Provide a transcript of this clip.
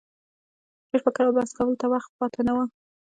ډېر فکر او بحث کولو ته وخت پاته نه وو.